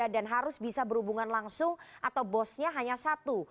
dan harus bisa berhubungan langsung atau bosnya hanya satu